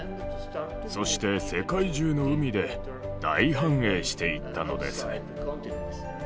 そして世界中の海で大繁栄していったのです。